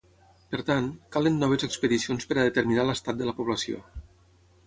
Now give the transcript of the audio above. Per tant, calen noves expedicions per a determinar l'estat de la població.